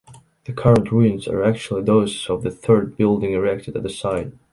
The current ruins are actually those of the third building erected at the site.